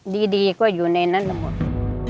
ดีดีกว่าอยู่ในนั้นหมด